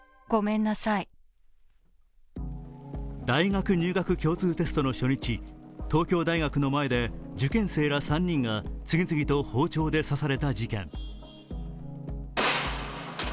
大学入学共通テストの初日、東京大学の前で受験生ら３人が次々と包丁で刺された事件。